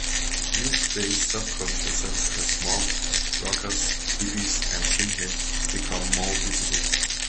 Youth-based subcultures such as the mods, rockers, hippies and skinheads became more visible.